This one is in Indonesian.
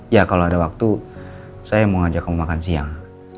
ya kalau ada waktu saya mau ngajak kamu makan siang